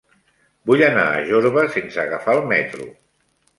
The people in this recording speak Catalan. Vull anar a Jorba sense agafar el metro.